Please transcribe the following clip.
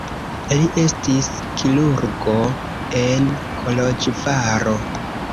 Li estis kirurgo en Koloĵvaro.